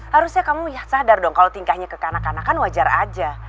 harusnya kamu ya sadar dong kalau tingkahnya ke kanak kanak kan wajar aja